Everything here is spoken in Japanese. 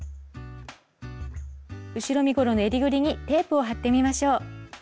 後ろ身ごろの襟ぐりにテープを貼ってみましょう。